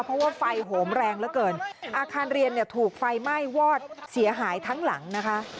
เพราะว่าไฟโหมแรงเหลือเกินอาคารเรียนเนี่ยถูกไฟไหม้วอดเสียหายทั้งหลังนะคะ